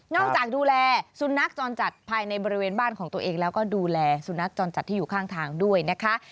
จากดูแลสุนัขจรจัดภายในบริเวณบ้านของตัวเองแล้วก็ดูแลสุนัขจรจัดที่อยู่ข้างทางด้วยนะคะ